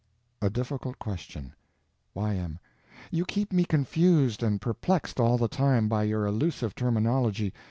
A Difficult Question Y.M. You keep me confused and perplexed all the time by your elusive terminology.